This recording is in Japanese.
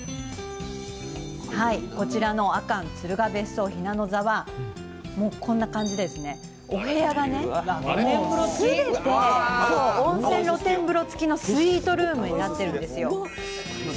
こちらのあかん鶴雅別荘鄙の座はこんな感じで、お部屋が全て温泉露天風呂付きのスイートルームになってるんですよ。